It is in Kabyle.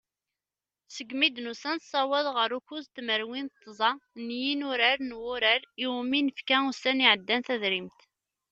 Segmi i d-nusa nessaweḍ ɣar ukkuẓ tmerwin d tẓa n yinurar n wurar iwumi nefka ussan iɛeddan tadrimt.